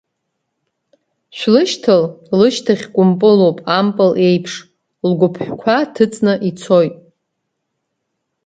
Шәлышьҭал, лышьҭахь кәымпылуп ампыл еиԥш, лгәыԥҳәқәа ҭыҵны ицоит…